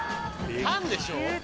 タンでしょ？